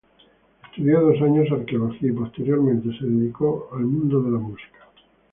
Estudió dos años arqueología y posteriormente se dedicó al mundo de la música.